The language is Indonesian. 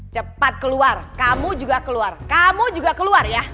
cepat keluar kamu juga keluar kamu juga keluar ya